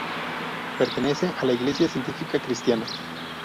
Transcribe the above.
Pertenece a la iglesia científica cristiana.